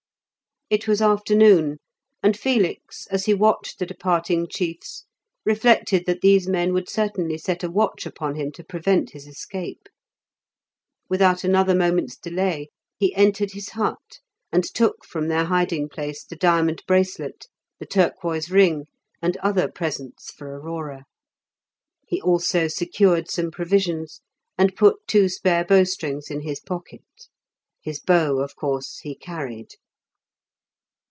It was afternoon, and Felix, as he watched the departing chiefs, reflected that these men would certainly set a watch upon him to prevent his escape. Without another moment's delay he entered his hut, and took from their hiding place the diamond bracelet, the turquoise ring, and other presents for Aurora. He also secured some provisions, and put two spare bowstrings in his pocket. His bow of course he carried.